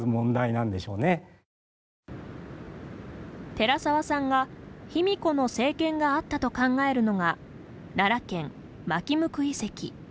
寺沢さんが、卑弥呼の政権があったと考えるのが奈良県・纏向遺跡。